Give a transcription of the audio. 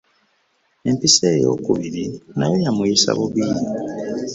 Empiso ey'okubiri n'ayo yamuyisa bubi